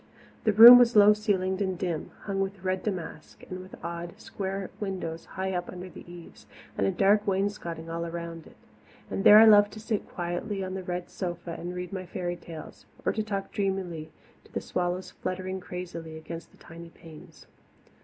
The room was low ceilinged and dim, hung with red damask, and with odd, square windows high up under the eaves and a dark wainscoting all around it. And there I loved to sit quietly on the red sofa and read my fairy tales, or talk dreamily to the swallows fluttering crazily against the tiny panes.